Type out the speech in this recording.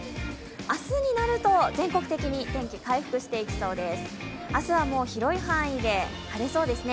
明日になると全国的に天気回復していきそうです。